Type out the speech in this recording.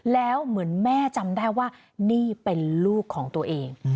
แล้วเหมือนแม่จำได้ว่านี่เป็นลูกของตัวเอง